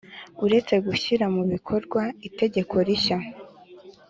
Uretse gushyira mu bikorwa Itegeko rishya